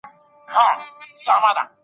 خپلوۍ سوې ختمي غريبۍ خبره ورانه سوله